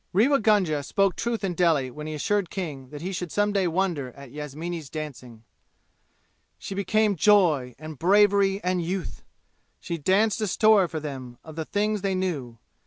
Rewa Gunga spoke truth in Delhi when he assured King he should some day wonder at Yasmini's dancing. She became joy and bravery and youth! She danced a story for them of the things they knew.